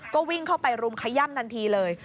ก็วิ่งเข้าไปรุมขย่ำทันทีเลย